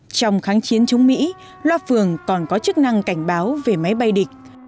trong kháng chiến chống mỹ loa phường còn có chức năng cảnh báo về máy bay địch